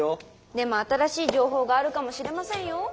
でも新しい情報があるかもしれませんよ。